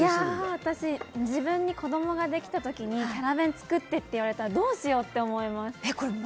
自分に子供ができたときにキャラ弁作ってって言われたら、どうしようって思います。